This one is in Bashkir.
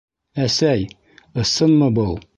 Әсәй, ысынмы был?